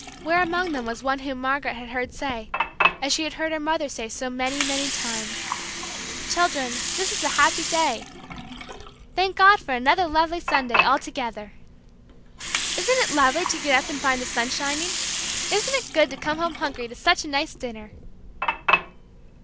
Where among them was one whom Margaret had heard say as she had heard her mother say so many, many times, "Children, this is a happy day," "Thank God for another lovely Sunday all together," "Isn't it lovely to get up and find the sun shining?" "Isn't it good to come home hungry to such a nice dinner!"